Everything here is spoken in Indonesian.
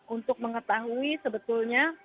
untuk mengetahui sebetulnya